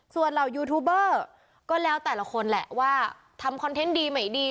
ส่วนเหล่ายูทูบเบอร์ก็แล้วแต่ละคนแหละว่าทำคอนเทนต์ดีไม่ดี